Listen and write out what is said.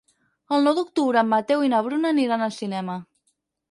El nou d'octubre en Mateu i na Bruna aniran al cinema.